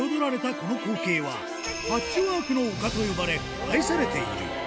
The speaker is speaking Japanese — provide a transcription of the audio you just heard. この光景は、パッチワークの丘と呼ばれ、愛されている。